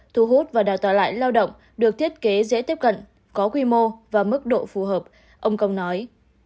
thu hút và đào tạo lại lao động được thiết kế dễ tiếp cận có quy mô và mức độ phù hợp ông công nói